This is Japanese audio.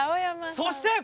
そして！